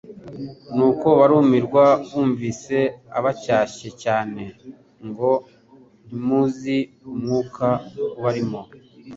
nuko barumirwa bumvise abacyashye cyane ngo: Ntimuzi umwuka ubarimo,